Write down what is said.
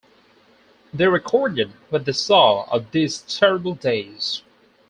They recorded what they saw of these terrible days.